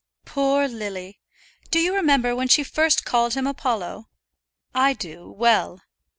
"Poor Lily! Do you remember when she first called him Apollo? I do, well.